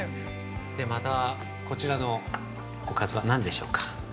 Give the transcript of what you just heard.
◆また、こちらのおかずは何でしょうか。